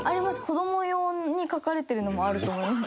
子ども用に書かれてるのもあると思いますし。